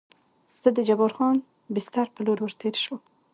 زه د جبار خان بستر په لور ور تېر شوم.